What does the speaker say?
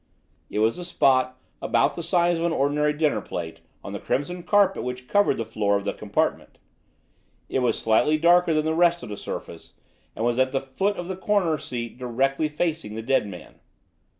It was a spot about the size of an ordinary dinner plate on the crimson carpet which covered the floor of the compartment. It was slightly darker than the rest of the surface, and was at the foot of the corner seat directly facing the dead man.